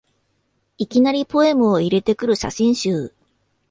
いきなりポエムを入れてくる写真集